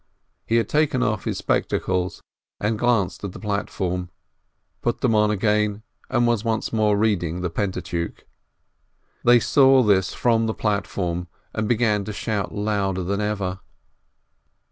He had taken off his spectacles, and glanced at the platform, put them on again, and was once more reading the Pentateuch. They saw this from the platform, and began to shout louder than ever.